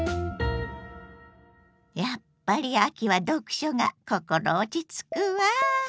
やっぱり秋は読書が心落ち着くわ。